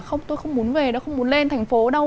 không tôi không muốn về đâu không muốn lên thành phố đâu